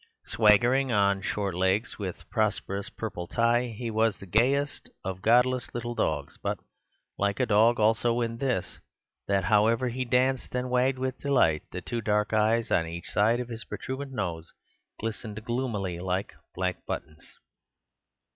Swaggering on short legs with a prosperous purple tie, he was the gayest of godless little dogs; but like a dog also in this, that however he danced and wagged with delight, the two dark eyes on each side of his protuberant nose glistened gloomily like black buttons.